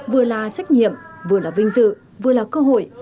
vừa là trách nhiệm vừa là vinh dự vừa là cơ hội